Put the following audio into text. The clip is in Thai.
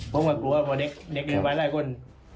ผมก็กลัวว่าเด็กเน็กไปแล้วเข้าอีกคน